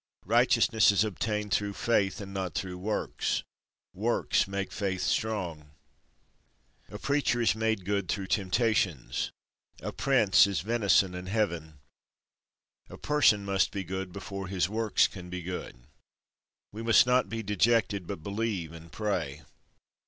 Righteousness is obtained through faith, and not through works. Works make faith strong. A Preacher is made good through temptations. A Prince is venison in heaven. A person must be good before his works can be good. We must not be dejected, but believe and pray.